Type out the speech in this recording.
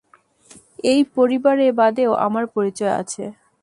এই পরিবার বাদেও আমার পরিচয় আছে।